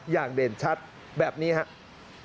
อย่างเด่นชัดแบบนี้ครับ